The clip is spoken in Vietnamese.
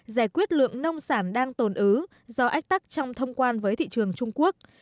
giải quyết lượng nông sản đang tồn ứ do ách tắc trong thông quan với thị trường trung quốc